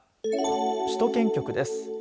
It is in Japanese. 首都圏局です。